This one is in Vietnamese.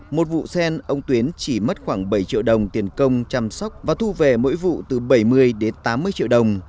một vụ sen ông tuyến chỉ mất khoảng bảy triệu đồng tiền công chăm sóc và thu về mỗi vụ từ bảy mươi đến tám mươi triệu đồng